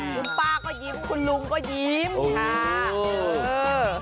ทุกป้าก็ยิ้มคุณหลุงก็ยิ้ม